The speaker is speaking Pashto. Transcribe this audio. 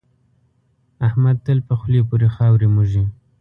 احمد تل په خول پورې خاورې موښي.